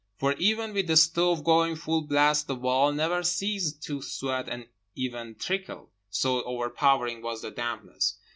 For even with the stove going full blast the wall never ceased to sweat and even trickle, so overpowering was the dampness.